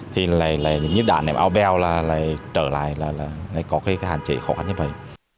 thì là những đảng này mà ao beo là trở lại là có cái hạn chế khó khăn như vậy